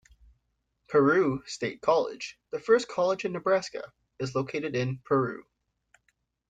Peru State College, the first college in Nebraska, is located in Peru.